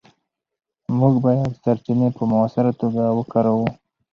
موږ باید سرچینې په مؤثره توګه وکاروو.